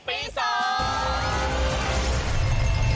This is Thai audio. พรุ่งนี้๕สิงหาคมจะเป็นของใคร